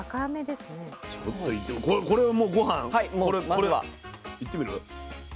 これいってみる？